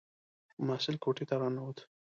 محصل کوټې ته را ننووت.